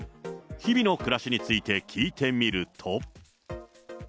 日々の暮らしについて聞いてみると。